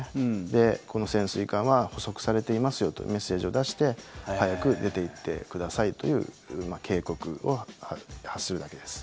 で、この潜水艦は捕捉されていますよというメッセージを出して早く出ていってくださいという警告を発するだけです。